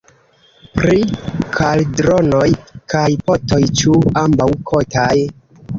Pri kaldronoj kaj potoj: ĉu ambaŭ kotaj?